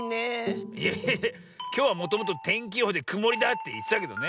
いやきょうはもともとてんきよほうでくもりだっていってたけどね。